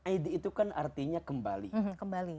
id itu kan artinya kembali